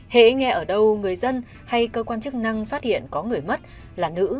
hãy nghe ở đâu người dân hay cơ quan chức năng phát hiện có người mất là nữ